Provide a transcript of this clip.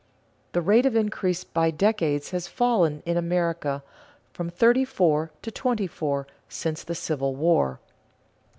The rate of increase by decades has fallen in America from thirty three to twenty four since the Civil War.